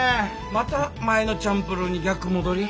また前のチャンプルーに逆戻り？